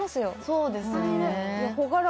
そうですよね